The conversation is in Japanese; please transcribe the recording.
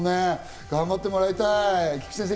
頑張ってもらいたい。